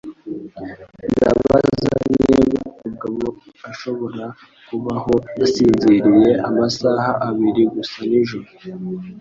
Ndabaza niba umugabo ashobora kubaho asinziriye amasaha abiri gusa nijoro.